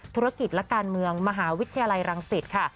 ธุรกิจและการเมืองมหาวิทยาลัยรังสิตค่ะ